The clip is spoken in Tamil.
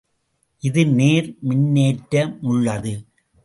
இது நேர் மின்னேற்ற முள்ளது.